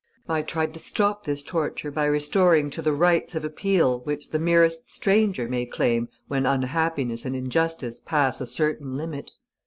I tried to stop this torture by restoring to the rights of appeal which the merest stranger may claim when unhappiness and injustice pass a certain limit.